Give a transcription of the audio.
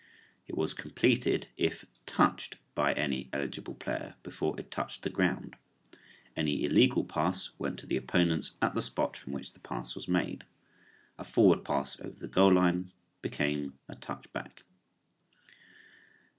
It was completed if touched by any eligible player before it touched the ground. Any illegal pass went to the opponents at the spot from which the pass was made. A forward pass over the goal line became a touch back.